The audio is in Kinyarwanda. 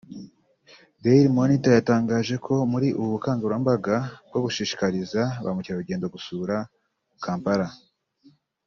Dail monitor yatangaje ko muri ubu bukangarambaga bwo gushishikiriza ba mukerarugendo gusura Kampala